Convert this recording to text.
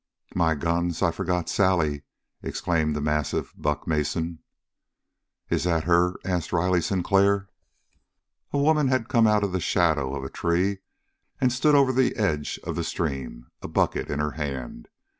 "My guns, I'd forgot Sally!" exclaimed the massive Buck Mason. "Is that her?" asked Riley Sinclair. A woman had come out of the shadow of a tree and stood over the edge of the stream, a bucket in her hand.